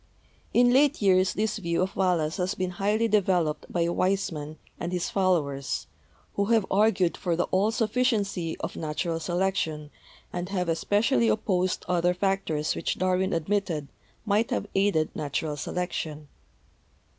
In late years this view of Wal lace's has been highly developed by Weismann and his followers, who have argued for the all sufficiency of natu ral selection, and have especially opposed other factors which Darwin admitted might have aided natural selec tion.